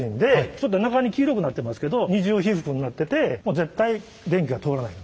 ちょっと中に黄色くなってますけど二重被覆になってて絶対電気が通らないと。